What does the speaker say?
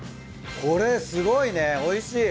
これすごいねおいしい。